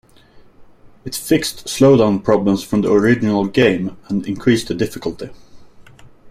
It fixed slowdown problems from the original game, and increased the difficulty.